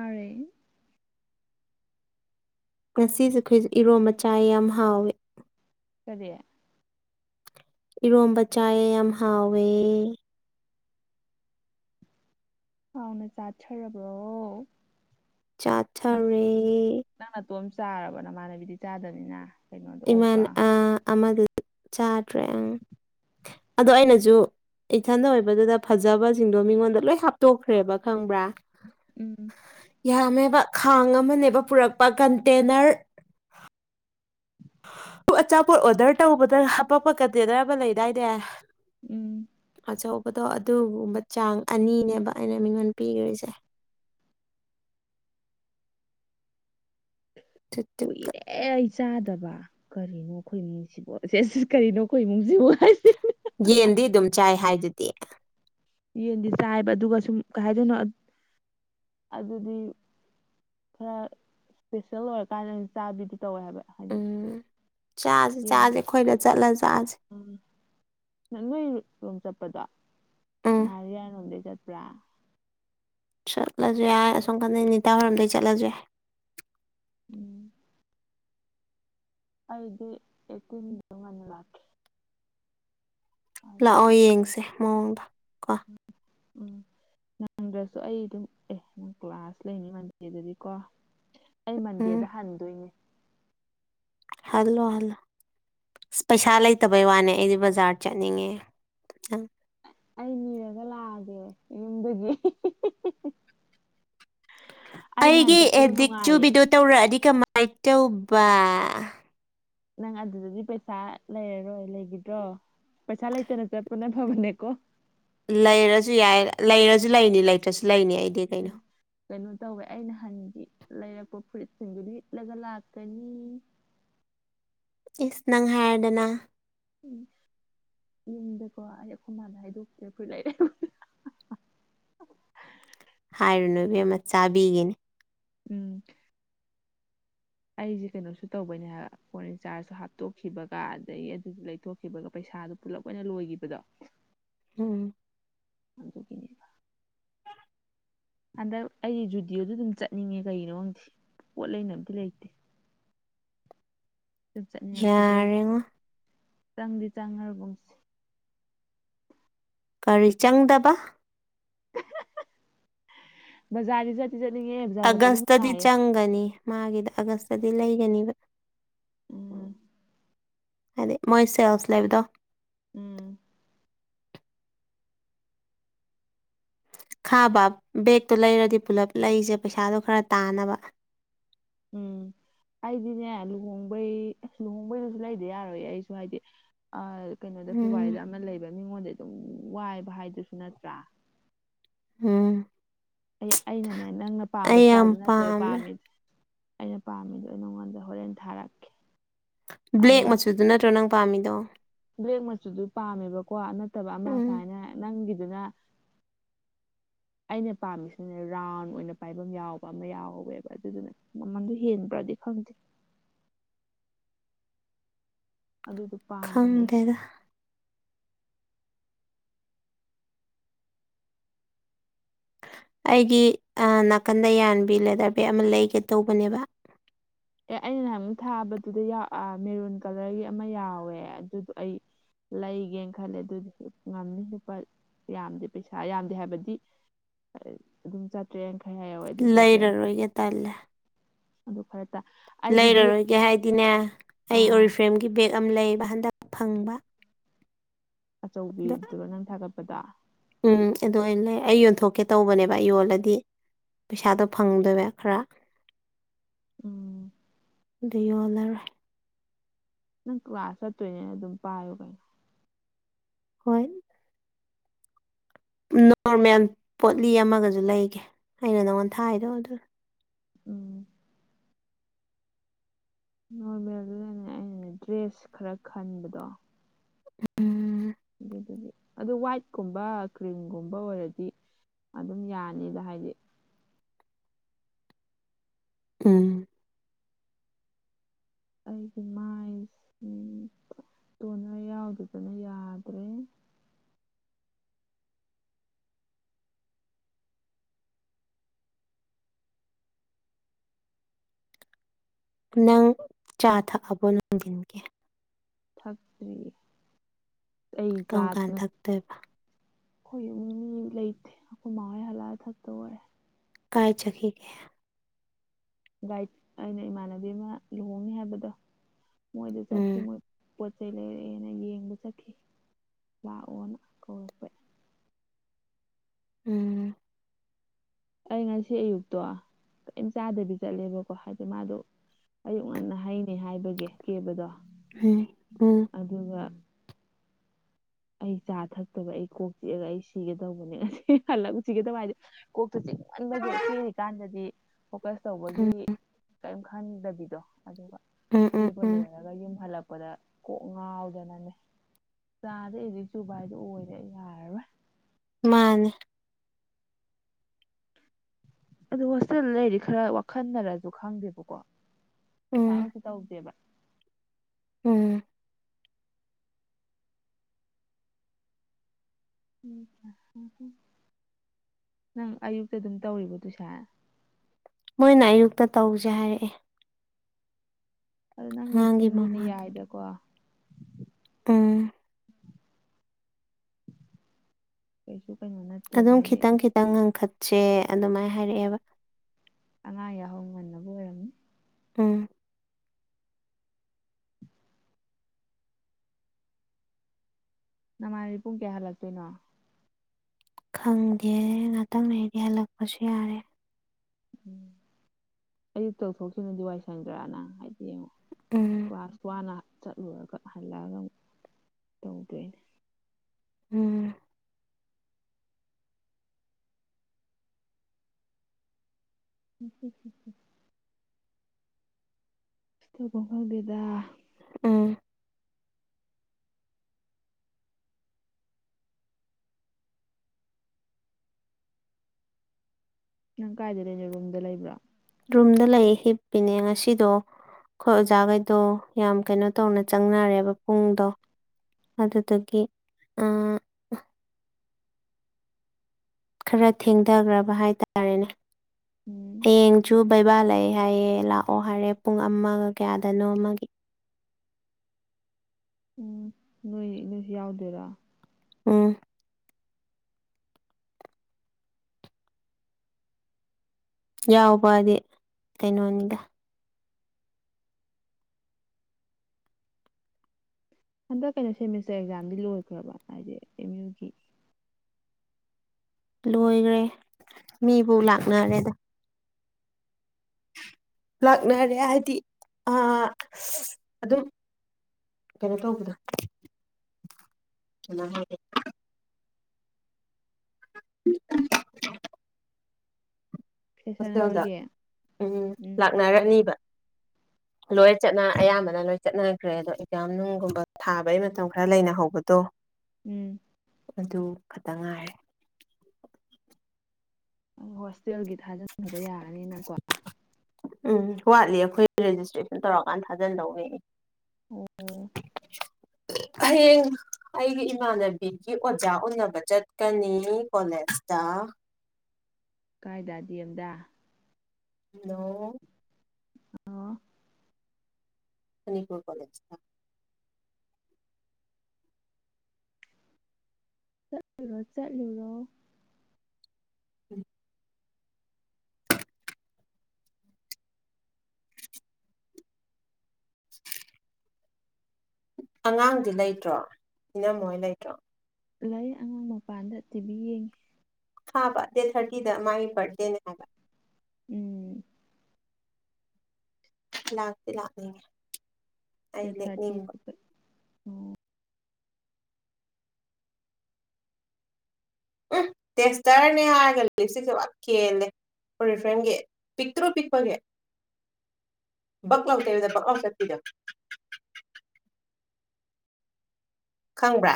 ꯃꯥꯥꯔꯦ ꯉꯁꯤꯁꯦ ꯑꯩꯈꯣꯏꯁꯦ ꯏꯔꯣꯝꯕ ꯆꯥꯌꯦ ꯌꯥꯝ ꯍꯥꯎꯋꯤ ꯀꯔꯤ ꯏꯔꯣꯝꯕ ꯆꯥꯏꯌꯦ ꯌꯥꯝ ꯍꯥꯎꯋꯦ ꯍꯥꯎꯅ ꯆꯥꯊꯥꯔꯕꯣ ꯆꯥꯊꯔꯦ ꯅꯥꯇꯣꯝ ꯆꯥꯔꯕꯣ ꯃꯥꯃꯅꯕꯤꯗꯤ ꯆꯥꯗꯕꯅꯤꯅ ꯀꯩꯅꯣꯗꯣ ꯏꯃꯥꯟ ꯑꯣꯛꯇꯣ ꯑ ꯑꯃꯗꯨ ꯗꯤ ꯆꯥꯗ꯭ꯔꯦ ꯑꯪ ꯑꯗꯣ ꯑꯩꯅꯁꯨ ꯏꯊꯟꯗ ꯑꯣꯏꯕꯗꯨꯗ ꯐꯖꯕꯁꯤꯡꯗꯣ ꯃꯤꯉꯣꯟꯗ ꯂꯣꯏ ꯍꯥꯞꯇꯣꯛꯈ꯭ꯔꯦꯕ ꯈꯪꯕ꯭ꯔꯥ ꯎꯝ ꯌꯝꯃꯦ ꯈꯥꯡ ꯑꯃꯅꯦꯕ ꯄꯨꯔꯛꯄ ꯀꯟꯇꯦꯅꯔ ꯑꯗꯨ ꯑꯆꯥꯄꯣꯠ ꯑꯣꯗꯔ ꯇꯧꯕꯗ ꯍꯥꯄꯛꯄ ꯀꯟꯇꯦꯅꯔ ꯑꯃ ꯂꯩꯗꯥꯏꯅꯦ ꯎꯝ ꯑꯆꯧꯕꯗꯣ ꯑꯗꯨꯒꯨꯝꯕ ꯆꯥꯡ ꯑꯅꯤꯅꯦꯕ ꯑꯩꯅ ꯃꯤꯉꯣꯟꯗ ꯄꯤꯈ꯭ꯔꯤꯁꯦ [unintelligible] ꯑꯗꯨꯗꯨꯒ ꯀꯨꯏꯔꯦ ꯑꯩ ꯆꯥꯗ ꯠꯇꯕ ꯀꯔꯤꯅꯣ ꯑꯩꯈꯣꯏ ꯏꯃꯨꯡꯁꯤꯕꯨꯣ ꯀꯔꯤꯅꯣ ꯑꯩꯈꯣꯏ ꯏꯃꯨꯡꯁꯤꯕꯨ ꯌꯦꯟꯗꯤ ꯑꯗꯨꯝ ꯆꯥꯏ ꯍꯥꯏꯗꯨꯗꯤ ꯌꯦꯟꯗꯤ ꯆꯥꯏꯕ ꯑꯗꯨꯒ ꯁꯨꯝ ꯀꯩꯗꯣꯏꯅꯣ ꯑꯗꯨꯗꯤ ꯈꯔ ꯏꯁꯄꯦꯁꯦꯜ ꯑꯣꯏꯔꯀꯥꯟꯗ ꯑꯩꯅ ꯆꯥꯕꯤꯗꯨ ꯇꯧꯋꯦ ꯍꯥꯏꯕ ꯍꯥꯏꯖꯤ ꯎꯝ ꯆꯥꯁꯦ ꯆꯥꯁꯦ ꯑꯩꯈꯣꯏꯗ ꯆꯠꯂ ꯆꯥꯁꯦ ꯁꯣꯝ ꯆꯠꯄꯗꯣ ꯎꯝ ꯉꯥꯔꯤ ꯌꯥꯔꯣꯝꯗꯩ ꯆꯠꯄ꯭ꯔꯥ ꯆꯠꯂꯁꯨ ꯌꯥ ꯁꯣꯀꯥꯟꯗ ꯅꯤꯇꯥ ꯍꯔꯝꯗꯒꯤ ꯆꯠꯂꯁꯨꯣꯏꯦ ꯎꯝ ꯑꯩꯗꯤ ꯑꯦꯠꯇꯤꯟꯒꯤ ꯋꯥꯟ ꯂꯥꯛ ꯂꯥꯛꯑꯣ ꯌꯦꯡꯁꯦ ꯃꯑꯣꯡꯗ ꯀꯣ ꯎꯝ ꯅꯪꯗ꯭ꯔꯁꯨ ꯑꯩ ꯑꯗꯨꯝ ꯑꯦ ꯅ ꯀ꯭ꯂꯥꯁ ꯂꯩꯅꯤ ꯃꯟꯗꯦꯗꯗꯤꯀꯣ ꯑꯩ ꯃꯟꯗꯦꯗ ꯎꯝ ꯍꯟꯗꯣꯏꯅꯦ ꯍꯜꯂꯣ ꯍꯜꯂꯣ ꯑ ꯄꯩꯁꯥ ꯂꯩꯇꯕꯩ ꯋꯥꯅꯦ ꯑꯩꯗꯤ ꯕꯖꯥꯔ ꯆꯠꯅꯤꯡꯉꯦꯪ ꯑꯩ ꯅꯤꯔꯒ ꯂꯥꯛꯑꯒꯦ ꯌꯨꯝꯗꯒꯤ ꯑꯩ ꯅꯍꯥꯟ ꯑꯩꯒꯤ ꯆꯠꯄꯗꯣ ꯑꯦꯗꯤꯛ ꯅꯨꯡꯉꯥꯏꯌꯦ ꯆꯨꯕꯤꯗꯨ ꯇꯧꯔꯛꯑꯗꯤ ꯀꯃꯥꯏꯅ ꯇꯧꯕꯥ ꯅꯪ ꯑꯗꯨꯗꯗꯤ ꯄꯩꯁꯥ ꯂꯩꯔꯔꯣꯏ ꯂꯩꯈꯤꯗ꯭ꯔꯣ ꯄꯩꯁꯥ ꯂꯩꯇꯅꯠꯇꯦ ꯄꯨꯅ ꯐꯕꯅꯦꯀꯣ ꯂꯩꯔꯁꯨ ꯌꯥꯏ ꯂꯩꯔꯁꯨ ꯂꯩꯅꯤ ꯂꯩꯇ꯭ꯔꯁꯨ ꯂꯩꯅꯤ ꯑꯩ ꯀꯩꯅꯩꯅꯣ ꯇꯧꯋꯦ ꯑꯩꯅ ꯍꯥꯟꯒꯤ ꯂꯩꯔꯛꯄ ꯐꯨꯔꯤꯠꯁꯤꯡꯗꯨꯗ ꯏꯠꯂꯒ ꯂꯥꯛꯀꯅꯤ ꯏꯁꯁ ꯅꯪ ꯍꯥꯏꯔꯗꯅ ꯎꯝ ꯌꯨꯝꯗꯀꯣ ꯑꯩ ꯑꯩꯈꯣꯏ ꯃꯥꯗ ꯍꯥꯏꯗꯣꯛꯇ꯭ꯔꯦ ꯑꯩꯈꯣꯏ ꯂꯩꯔꯦ ꯍꯥꯏꯔꯨꯅꯨꯕꯤ ꯑꯃ ꯆꯥꯕꯤꯒꯤꯅꯦ ꯎꯝ [unintelligible] ꯑꯩꯁꯦ ꯀꯩꯅꯣꯁꯨ ꯇꯧꯕꯅꯦ ꯐꯣꯟ ꯔꯤꯆꯥꯥꯔꯖꯁꯨ ꯍꯥꯞꯇꯣꯛꯈꯤꯕꯒ ꯑꯗꯒꯤ ꯑꯗꯨꯁꯨ ꯂꯩꯊꯣꯛꯈꯤꯕꯒ ꯄꯩꯁꯥ ꯑꯗꯨ ꯄꯨꯂꯞ ꯑꯣꯏꯅ ꯂꯣꯏꯈꯤꯕꯗꯣ ꯎꯝ ꯑꯗꯨꯗꯒꯤꯅꯦ ꯍꯟꯗꯛ ꯑꯩꯗꯤ ꯖꯨꯗꯤꯑꯣꯗ ꯑꯗꯨꯝ ꯆꯠꯅꯤꯡꯉꯦ ꯀꯩꯒꯤꯅꯣ ꯈꯪꯗꯦ ꯄꯣꯠ ꯂꯩꯅ ꯑꯝꯇ ꯂꯩꯇꯦ ꯑꯗꯨꯝ ꯆꯠꯅꯤꯡꯉꯛꯄꯤꯗꯣ ꯑꯩꯒꯤ ꯌꯥꯔꯉ ꯆꯪꯗꯤ ꯆꯪꯉꯔꯕꯨꯡꯁꯦ ꯀꯔꯤ ꯆꯪꯗꯕ ꯖꯔꯤꯦ ꯆ ꯑꯥꯒꯁꯇꯗꯤ ꯆꯪꯒꯅꯤ ꯃꯥꯒꯤꯗ ꯑꯥꯒꯁꯇꯗꯤ ꯂꯩꯒꯅꯤꯕ ꯎꯝ ꯍꯥꯏꯗꯤ ꯃꯣꯏ ꯁꯦꯜꯁ ꯂꯩꯕꯗꯣ ꯎꯝ ꯈꯥꯕ ꯕꯦꯛꯇꯣ ꯂꯩꯔꯗꯤ ꯄꯨꯂꯞ ꯂꯩꯁꯦ ꯄꯩꯁꯥꯗꯣ ꯈꯔ ꯇꯥꯅꯕ ꯎꯝ ꯑꯩꯗꯤꯅꯦ ꯂꯨꯍꯣꯡꯕꯩ ꯂꯨꯍꯣꯡꯕꯩꯗꯨꯁꯨ ꯂꯩꯗꯤ ꯌꯥꯔꯣꯏ ꯑꯩꯁꯨ ꯍꯥꯏꯗꯤ ꯑ ꯀꯩꯅꯣꯗ ꯎꯝ ꯐꯦꯕꯋꯥꯔꯤꯗ ꯑꯃ ꯂꯩꯕ ꯃꯤꯉꯣꯟꯗ ꯑꯗꯨꯝ ꯋꯥꯏꯕ ꯍꯥꯏꯗꯨꯁꯨ ꯅꯠꯇ꯭ꯔꯥ ꯎꯝ ꯑꯩ ꯑꯩꯅꯅꯦ ꯅꯪꯅ ꯄꯥꯝꯕ ꯑꯩ ꯌꯥꯝ ꯏꯁꯇꯥꯏꯜꯗꯨ ꯅꯠꯇꯦꯕ ꯄꯥꯝꯃꯦ ꯄꯥꯝꯃꯤ ꯑꯩꯅ ꯄꯥꯝꯃꯤꯗꯣ ꯑꯩ ꯅꯉꯣꯟꯗ ꯍꯣꯔꯦꯟ ꯊꯥꯔꯛꯈꯤ ꯕ꯭ꯂꯦꯛ ꯃꯆꯨꯗꯨ ꯅꯠꯇ꯭ꯔꯣ ꯅꯪ ꯄꯥꯝꯃꯤꯗꯣ ꯕ꯭ꯂꯦꯛ ꯃꯆꯨꯗꯨ ꯄꯥꯝꯃꯦꯕꯀꯣ ꯅꯠꯇꯕ ꯑꯃ ꯎꯝ ꯁꯨꯃꯥꯏꯅ ꯅꯪꯒꯤꯗꯨꯅ [unintelligible] ꯑꯩꯅ ꯄꯥꯝꯃꯤꯁꯤꯅꯦ ꯔꯥꯎꯟ ꯑꯣꯏꯅ ꯄꯥꯏꯐꯝ ꯌꯥꯎꯕ ꯑꯃ ꯌꯥꯎꯋꯦꯕ ꯑꯗꯨꯗꯨꯅꯦ ꯃꯃꯟꯗꯣ ꯍꯦꯟꯕ꯭ꯔꯗꯤ ꯪꯗꯤ [unintelligible] ꯑꯗꯨꯗꯣ ꯄꯥꯝꯕꯅꯦ ꯑꯩꯁꯦ ꯈꯪꯗꯦꯗ ꯑꯩꯒꯤ ꯅꯥꯀꯟꯗ ꯌꯥꯟꯕꯤ ꯂꯦꯗꯔ ꯕꯦꯒ ꯑꯃ ꯂꯩꯒꯦ ꯇꯧꯕꯅꯦꯕ ꯑꯦ ꯑꯩꯅ ꯅꯍ ꯊꯥꯕꯗꯨꯗ ꯃꯦꯔꯨꯟ ꯀꯂꯔꯒꯤ ꯑꯃ ꯌꯥꯎꯋꯦ ꯑꯗꯨꯗꯣ ꯑꯩ ꯂꯩꯒꯦꯅ ꯈꯜꯂꯦ ꯑꯗꯨꯗꯤ ꯉꯝꯅꯤ ꯂꯨꯄꯥ ꯌꯥꯝꯗꯦ ꯄꯩꯁꯥ ꯌꯥꯝꯗꯦ ꯍꯥꯏꯕꯗꯤ ꯑꯗꯨꯝ ꯆꯥꯇ꯭ꯔꯦ ꯌꯥꯡ ꯂꯩꯔꯔꯣꯏꯒꯦ ꯇꯜꯂꯦ ꯑꯗꯨ ꯈꯔ ꯇꯥ ꯑꯩꯗꯤ ꯕꯦꯛ ꯂꯩꯔꯔꯣꯏꯒꯦ ꯍꯥꯏꯗꯤꯅꯦ ꯑꯩ ꯑꯣꯔꯤꯐ꯭ꯔꯦꯝꯒꯤ ꯕꯦꯒ ꯑꯃ ꯂꯩ ꯍꯟꯗꯛ ꯐꯪꯕ ꯑꯗꯣ ꯑꯆꯧꯕꯤꯗꯨꯔꯣ ꯅꯪ ꯊꯥꯒꯠꯄꯗ ꯎꯝ ꯑꯗꯨ ꯂꯩ ꯑꯩ ꯌꯣꯟꯊꯣꯛꯀꯦ ꯇꯧꯕꯅꯦꯕ ꯑꯩ ꯌꯣꯜꯂꯗꯤ ꯄꯩꯁꯥꯗꯣ ꯐꯪꯗꯣꯏꯕ ꯈꯔ ꯎꯝ ꯗꯌꯣꯂꯔ ꯅꯪ ꯀ꯭ꯂꯥꯁ ꯆꯠꯇꯣꯏꯅꯦꯅ ꯑꯗꯨꯝ ꯄꯥꯏꯌꯨ ꯀꯩꯅꯣ ꯍꯣꯏ ꯅꯣꯔꯃꯦꯜ ꯄꯣꯠꯂꯤ ꯑꯃꯒꯁꯨ ꯂꯩꯒꯦ ꯑꯩꯅ ꯅꯪꯉꯣꯟ ꯊꯥꯗꯣ ꯑꯗꯨꯅ ꯎꯝ ꯅꯣꯔꯃꯦꯜꯗꯨꯗꯅꯦ ꯑꯩꯅꯅꯦ ꯗ꯭ꯔꯦꯁ ꯈꯔ ꯈꯟꯕꯗꯣ ꯎꯝ ꯑꯗꯨꯗꯤ ꯑꯗꯨ ꯋꯥꯏꯠꯀꯨꯝꯕ ꯀ꯭ꯔꯤꯝꯒꯨꯝꯕ ꯑꯣꯏꯔꯗꯤ ꯑꯗꯨꯝ ꯌꯥꯅꯤꯗ ꯍꯥꯏꯗꯤ ꯎꯝ ꯑꯩꯒꯤ ꯃꯥꯏ ꯀꯣꯟꯅ ꯌꯥꯎꯗꯗꯅ ꯌꯥꯗ꯭ꯔꯦ ꯅꯪ ꯆꯥ ꯊꯛ ꯑꯕꯣ ꯅꯪꯗꯤꯤꯟꯒꯤ ꯐꯛꯇ꯭ꯔꯤ ꯑꯩ ꯀꯔꯝ ꯀꯥꯟ ꯆꯥꯗꯅ ꯊꯛꯇꯣꯏꯕ ꯑꯩꯈꯣꯏ ꯏ ꯂꯩꯇꯦ ꯑꯩꯈꯣꯏ ꯃꯥ ꯍꯣꯏ ꯍꯜꯂꯛꯑ ꯊꯛꯇ ꯑꯣꯏꯔꯦ ꯀꯥꯏ ꯆꯈꯤ ꯀꯦ ꯒꯥꯏꯗ ꯑꯩꯅ ꯏꯃꯥꯟꯅꯕꯤ ꯑꯃ ꯂꯨꯍꯣꯡꯅꯤ ꯍꯥꯏꯕꯗꯣ ꯃꯣꯏꯗ ꯆꯠꯈꯤ ꯎꯝ ꯃꯣꯏ ꯄꯣꯠ ꯆꯩ ꯂꯩꯔꯛꯑꯦꯅ ꯌꯦꯡꯕ ꯆꯠꯈꯤ ꯂꯥꯛꯑꯣꯅ ꯀꯧꯔꯛꯄ ꯎꯝ ꯑꯩ ꯉꯁꯤ ꯑꯌꯨꯛꯇꯣ ꯀꯔꯤꯝ ꯆꯥꯗꯕꯤ ꯆꯠꯂꯦꯕꯀꯣ ꯍꯥꯏꯗꯤ ꯃꯥꯗꯣ ꯑꯌꯨꯛ ꯉꯟꯅ ꯍꯩꯅꯦ ꯍꯥꯏꯕꯒꯤ ꯀꯦꯕꯗꯣ ꯎꯝ ꯎ ꯑꯗꯨꯒ ꯑꯩ ꯆꯥ ꯊꯛꯇꯕ ꯑꯩ ꯀꯣꯛ ꯆꯤꯛꯑꯒ ꯑꯩ ꯁꯤꯒꯗꯧꯕꯅꯦ ꯑꯁꯤ ꯍꯜꯂꯛ ꯁꯤꯒꯗꯕ ꯍꯥꯏꯗꯤ ꯇꯤꯛ ꯈꯜꯂꯒ ꯄꯦꯔꯤꯀꯥꯟꯗꯗꯤ ꯐꯣꯀꯁ ꯎꯝ ꯇꯧꯕꯒꯤ ꯀꯔꯤꯝ ꯈꯪꯗꯕꯤꯗꯣ ꯑꯗꯨꯒ ꯎꯝ ꯎꯝ ꯀꯦꯕ ꯎꯝ ꯂꯣꯏꯔꯒ ꯌꯨꯝ ꯍꯜꯂꯛꯄ ꯄꯗ ꯀꯣꯛ ꯉꯥꯎꯗꯅꯅꯦ ꯑꯗ ꯍꯧꯖꯤꯛ ꯖꯨꯚꯏꯗꯨ ꯑꯣꯏꯔꯦ ꯌꯥꯔꯣꯏ ꯃꯥꯥꯟ ꯑ ꯍꯣꯁꯇꯦꯜꯗ ꯂꯩꯔꯤ ꯈꯔ ꯋꯥꯈꯜꯅꯔꯁꯨ ꯈꯪꯗꯦꯕꯀꯣ ꯎꯝ ꯐꯥꯡꯁꯤ ꯇ ꯍꯕꯗꯦꯕ ꯎꯝ ꯎꯝ ꯍꯝꯣꯏ ꯅꯪ ꯑꯌꯨꯛꯇ ꯑꯗꯨꯝ ꯇꯧꯔꯤꯕꯗꯨꯁꯦ ꯃꯣꯏꯅ ꯑꯌꯨꯛꯇ ꯇꯧꯁꯦ ꯍꯥꯏꯔꯛꯑꯦ ꯑꯗꯨ ꯅꯪꯒꯤ ꯑꯉꯥꯡꯒꯤ ꯄꯨꯡꯗꯨꯗꯤ ꯌꯥꯏꯗꯀꯣ ꯑꯝ ꯀꯁꯨ ꯑꯗꯨꯝ ꯈꯤꯇꯪ ꯈꯤꯇꯪ ꯉꯟꯈꯠꯁꯦ ꯑꯗꯨꯃꯥꯏꯅ ꯍꯥꯏꯔꯛꯑꯦꯕ ꯑꯅꯥ ꯌꯥꯍꯧ ꯉꯟꯅꯕ ꯑꯣꯏꯔꯝꯃꯤ ꯎꯝ ꯅꯃꯥꯟꯕꯤ ꯄꯨꯡ ꯀꯌꯥ ꯍꯜꯂꯛꯇꯣꯏꯅꯣ ꯈꯪꯗꯦ ꯉꯍꯥꯛꯇꯪꯅꯗꯤ ꯍꯜꯂꯛꯄꯁꯨ ꯌꯥꯔꯦ ꯎꯝ ꯑꯩ ꯇꯧꯊꯣꯛꯁꯤꯅꯗꯤ ꯋꯥꯏ ꯁꯪꯗ꯭ꯔꯥꯅ ꯍꯥꯏꯗꯤ ꯌꯦꯡꯉ ꯎꯝ ꯀ ꯀꯋꯥꯅ ꯆꯠꯂꯨꯔꯒ ꯍꯜꯂꯛꯑꯒ ꯑꯃꯨꯛ ꯇꯧꯗꯣꯏꯅꯦ ꯎꯝ ꯎꯝ ꯎ ꯎ ꯎ ꯇꯐꯝꯣ ꯈꯪꯗꯦꯗ ꯎꯝ ꯅꯪ ꯀꯥꯏꯗ ꯂꯩꯔꯤꯅꯣ ꯔꯨꯝꯗ ꯂꯩꯕ꯭ꯔꯥ ꯔꯨꯝꯗ ꯂꯩ ꯍꯤꯞꯄꯤꯅꯦ ꯉꯁꯤꯗꯣ ꯍꯣꯏ ꯑꯣꯖꯥꯈꯩꯗꯣ ꯌꯥꯝ ꯀꯩꯅꯣ ꯇꯧꯅ ꯆꯪꯅꯔꯦꯕ ꯄꯨꯡꯗꯣ ꯑꯗꯨ ꯇꯒꯦ ꯑ ꯈꯔ ꯊꯦꯡꯊꯈ꯭ꯔꯕ ꯍꯥꯏꯇꯥꯔꯦꯅꯦ ꯎꯝ ꯍꯌꯦꯡꯁꯨꯨꯕ ꯏꯕꯥ ꯂꯩ ꯍꯥꯏꯌꯦꯦ ꯂꯥꯛꯑꯣ ꯍꯥꯏꯔꯦ ꯄꯨꯡ ꯑꯃꯒ ꯀꯌꯥꯗꯅꯣ ꯑꯃꯒꯤ ꯎꯝ ꯅꯣꯏ ꯅꯣꯏꯁꯨ ꯌꯥꯎꯗꯣꯏꯔꯥ ꯎꯝ ꯌꯥꯎꯕꯗꯤ ꯀꯩꯅꯣꯅꯤꯗ ꯍꯟꯗꯛ ꯀꯩꯅꯣ ꯁꯦꯃꯤꯁꯇꯔ ꯑꯦꯛꯖꯥꯝꯗꯤ ꯂꯣꯏꯈ꯭ꯔꯕ ꯍꯥꯏꯗꯤ ꯑꯦꯝ ꯌꯨꯒꯤ ꯂꯣꯏꯈ꯭ꯔꯦ ꯃꯤꯕꯨ ꯂꯥꯛꯅꯔꯦꯗ ꯂꯥꯛꯅꯔꯦ ꯍꯥꯏꯗꯤ ꯑ ꯑꯗꯨꯝ ꯀꯩꯅꯣ ꯇꯧꯕꯗ ꯍꯂ ꯍꯦ [unintelligible] ꯁꯦꯁꯟ ꯍꯣꯁꯇꯦꯜꯗ ꯑꯃꯒꯤ ꯎꯝ ꯂꯥꯛꯅꯔꯅꯤꯕ ꯂꯣꯏ ꯆꯠꯅ ꯑꯌꯥꯝꯕꯅ ꯂꯣꯏ ꯆꯠꯅꯈ꯭ꯔꯦ ꯑꯗꯣ ꯑꯦꯛꯖꯥꯝ ꯅꯨꯡꯒꯨꯝꯕ ꯊꯥꯕꯩ ꯃꯇꯝ ꯈꯔ ꯂꯩꯅꯍꯧꯕꯗꯣ ꯎꯝ ꯑꯗꯨ ꯈꯛꯇ ꯉꯥꯏꯔꯦ ꯑ ꯍꯣꯁꯇꯦꯜꯒꯤ ꯊꯥꯖꯟꯨꯕ ꯌꯥꯔꯅꯤꯅꯀꯣ ꯎꯝ ꯋꯥꯠꯂꯤ ꯑꯩꯈꯣꯏ ꯔꯦꯖꯤꯁꯇ꯭ꯔꯦꯁꯟ ꯇꯧꯔꯀꯥꯟꯗ ꯊꯥꯖꯟꯗꯧꯋꯦꯅꯦ ꯑꯣ ꯍꯌꯦꯡ ꯑꯩꯒꯤ ꯏꯃꯥꯟꯅꯕꯤꯒꯤ ꯑꯣꯖꯥ ꯎꯕ ꯆꯠꯀꯅꯤ ꯀꯣꯂꯦꯖ ꯠꯇ ꯀꯥꯏꯗꯗꯤ ꯑꯦꯝꯗ ꯍꯜꯂꯣ ꯑꯣ ꯃꯅꯤꯄꯨꯔ ꯀꯂꯦꯖꯇ ꯆꯠꯂꯨꯔꯣ ꯆꯠꯂꯨꯔꯣ ꯎꯝ [unintelligible] ꯑꯉꯥꯡꯗꯤ ꯂꯩꯇ꯭ꯔꯣ ꯏꯅꯝꯣꯏ ꯂꯩꯇ꯭ꯔꯣ ꯂꯩ ꯑꯉꯥꯡ ꯃꯄꯥꯟꯗ ꯇꯤꯚꯤ ꯌꯦꯡꯉꯤ ꯍꯥꯕ ꯗꯦꯠ ꯊꯥꯔꯇꯤꯗ ꯃꯥꯒꯤ ꯕꯥꯔꯊꯗꯦꯅꯦ ꯍꯥꯏꯕ ꯎꯝ ꯂꯥꯛꯇ ꯂꯥꯛꯅꯤꯡꯉ ꯊꯔꯇꯤ ꯎꯝ ꯇꯦꯁꯇꯔꯅꯦ ꯍꯥꯏꯔꯒ ꯁꯤꯁꯦꯕ ꯈꯦꯜꯂꯦ ꯑꯣꯦ ꯐ꯭ꯔꯦꯟꯒꯤ ꯄꯤꯛꯇ꯭ꯔꯣ ꯄꯤꯛꯄꯒꯦ ꯛꯉꯥꯎ ꯇꯔꯗ ꯛꯥꯎꯁꯗ ꯈꯪꯕ꯭ꯔꯥ